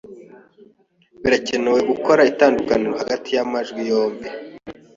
Birakenewe gukora itandukaniro hagati y amajwi yombi.